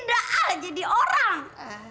da'al jadi orang